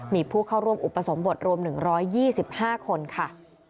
มีผู้เข้าร่วมอุปสมบทรวม๑๒๕คนค่ะ